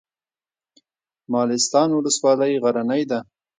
مالستان ولسوالۍ غرنۍ ده؟